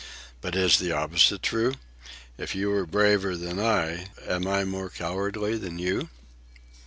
But is the opposite true? If you are braver than I, am I more cowardly than you?"